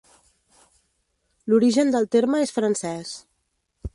L'origen del terme és francès.